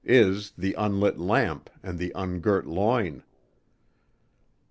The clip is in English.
Is, the unlit lamp and the ungirt loin...."